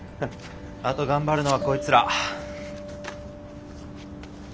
あと頑張るのはこいつら。